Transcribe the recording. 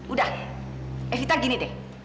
udah epita gini deh